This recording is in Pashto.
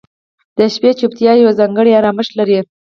• د شپې چوپتیا یو ځانګړی آرامښت لري.